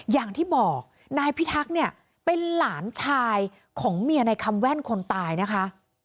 อย่างที่บอกนายพิทักษ์เนี่ยเป็นหลานชายของเมียในคำแว่นคนตายนะคะ